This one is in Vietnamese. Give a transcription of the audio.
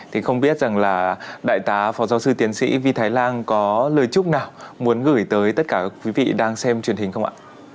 thì không biết rằng là đại tá phó giáo sư tiến sĩ vi thái lan có lời chúc nào muốn gửi tới tất cả quý vị đang xem truyền hình không ạ